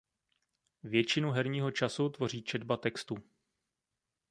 Většinu herního času tvoří četba textu.